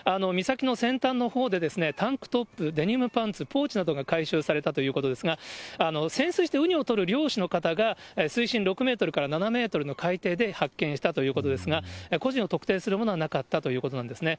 岬の先端のほうで、タンクトップ、デニムパンツ、ポーチなどが回収されたということですが、潜水してウニを取る漁師の方が、水深６メートルから７メートルの海底で発見したということですが、個人を特定するものはなかったということなんですね。